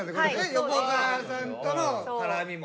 横川さんとの絡みも。